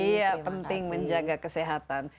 iya penting menjaga kesehatan